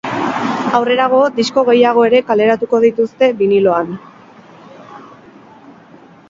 Aurrerago, disko gehiago ere kaleratuko dituzte biniloan.